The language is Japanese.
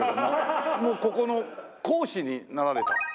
もうここの講師になられた？